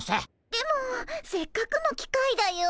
でもせっかくの機会だよ。